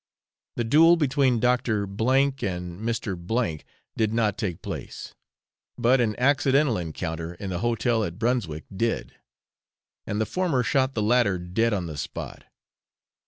The duel between Dr. H and Mr. W did not take place, but an accidental encounter in the hotel at Brunswick did, and the former shot the latter dead on the spot.